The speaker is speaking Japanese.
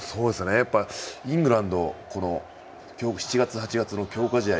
イングランド７月８月の強化試合